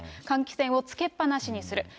換気扇をつけっぱなしにする。